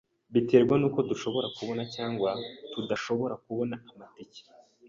Biterwa nuko dushobora kubona cyangwa tudashobora kubona amatike.